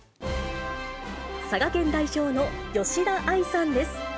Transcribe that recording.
佐賀県代表の吉田愛さんです。